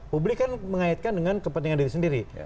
publik kan mengaitkan dengan kepentingan diri sendiri